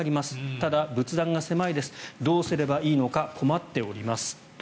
ただ、仏壇が狭いですどうすればいいのか困っております。